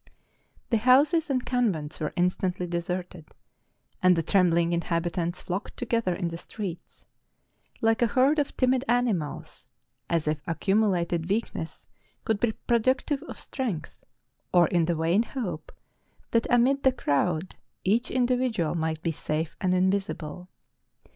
] The houses and convents were instantly deserted; and the trembling inhabitants flocked together in the streets, like a herd of timid animals, as if accumulated weakness could be productive of strength, or in the vain hope, that amid the crowd each individual might be safe and invisible.